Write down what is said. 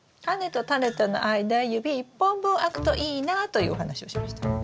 タネとタネとの間指１本分空くといいなというお話をしました。